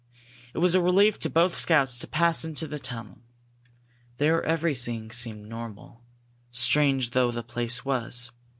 It was a relief to both scouts to pass into the tunnel. There everything seemed normal, strange though the place was.